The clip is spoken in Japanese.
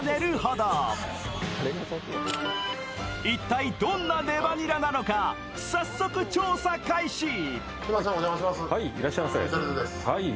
一体どんなレバニラなのか、早速、調査開始。